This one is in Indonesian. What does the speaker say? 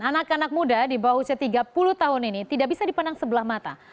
anak anak muda di bawah usia tiga puluh tahun ini tidak bisa dipandang sebelah mata